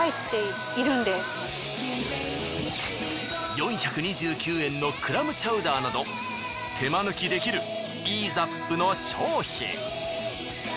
４２９円のクラムチャウダーなど手間抜きできるイーザップの商品。